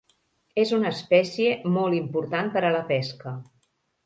És una espècie molt important per a la pesca.